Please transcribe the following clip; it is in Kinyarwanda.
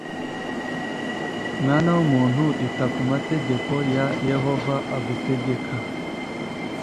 mwana w umuntu ita kumategeko ya yehova agutegeka